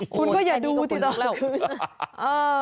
คุณก็อย่าดูสิตอนเราคืน